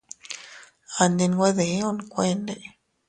A ndi nwe diun kuende.